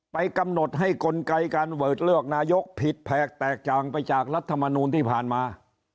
กำหนดให้กลไกการโหวตเลือกนายกผิดแผกแตกจ่างไปจากรัฐมนูลที่ผ่านมา